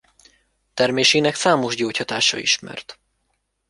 Termésének számos gyógyhatása ismert.